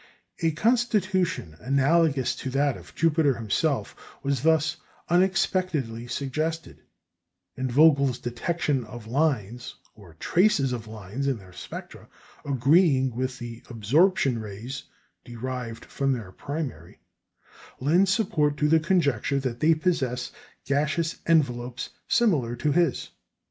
A constitution analogous to that of Jupiter himself was thus unexpectedly suggested; and Vogel's detection of lines or traces of lines in their spectra, agreeing with absorption rays derived from their primary, lends support to the conjecture that they possess gaseous envelopes similar to his.